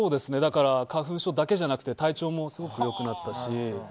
花粉症だけじゃなくて体調もすごく良くなったし。